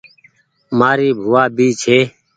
مآري ڀووآ بي ڇي ۔